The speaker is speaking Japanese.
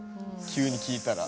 急に聞いたら。